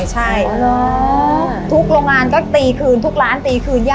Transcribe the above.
ใช่เออหรอทุกโรงงานก็ตีคืนทุกร้านตีคืน